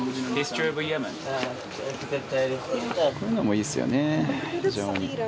こういうのもいいですよね、非常に。